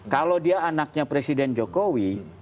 kalau dia anaknya presiden jokowi